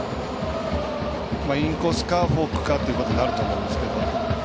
インコースかフォークかっていうことになると思うんですけど。